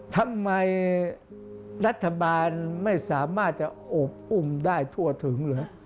ทำไมรัฐบาลไม่สามารถจะอบอุ้มได้ทั่วถึงเหรอ